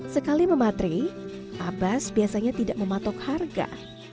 sekali mematri abas biasanya tidak mematok harga